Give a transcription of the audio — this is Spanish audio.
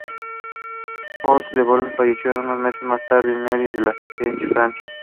Georges de Beauregard falleció unos meses más tarde en Neuilly-sur-Seine, Francia.